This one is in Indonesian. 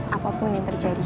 apapun yang terjadi